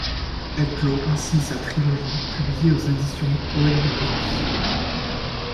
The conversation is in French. Elle clôt ainsi sa trilogie publiée aux éditions Poètes de brousse.